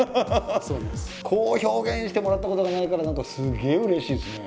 こう表現してもらったことがないから何かすげえうれしいですね。